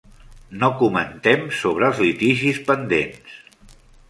No comentem sobre els litigis pendents.